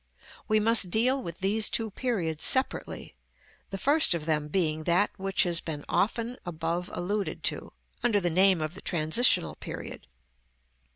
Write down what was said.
We must deal with these two periods separately; the first of them being that which has been often above alluded to, under the name of the transitional period.